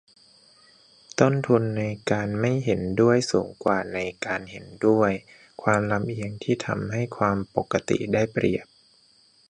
ต้นทุนในการไม่เห็นด้วยสูงกว่าในการเห็นด้วย - ความลำเอียงที่ทำให้ 'ความปกติ' ได้เปรียบ